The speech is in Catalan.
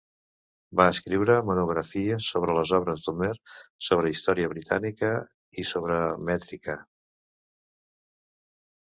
Va escriure monografies sobre les obres d'Homer, sobre història britànica i sobre mètrica.